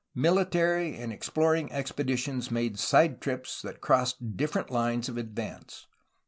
Military and explor ing expeditions made side trips that crossed different hnes of advance.